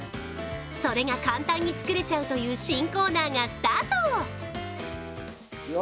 それが簡単に作れちゃうという新コーナーがスタート。